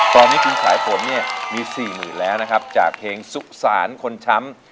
ตอนนี้คุณสายผมมี๔หมื่นแล้วจากเพลงสุขศาลคนช้ำ